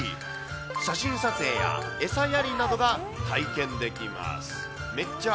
写真撮影や餌やりなどが体験できます。